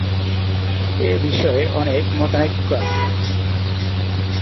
এ বিষয়ে অনেক মতানৈক্য আছে।